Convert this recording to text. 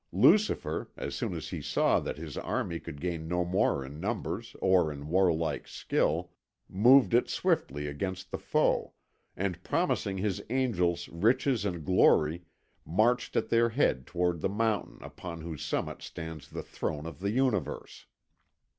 Lucifer, as soon as he saw that his army could gain no more in numbers or in warlike skill, moved it swiftly against the foe, and promising his angels riches and glory marched at their head towards the mountain upon whose summit stands the Throne of the Universe.